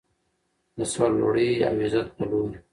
د سرلوړۍ او عزت په لور.